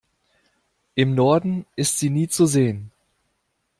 Im Norden ist sie nie zu sehen.